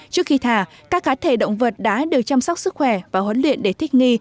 trước khi thả các cá thể động vật đã được chăm sóc sức khỏe và huấn luyện để thích nghi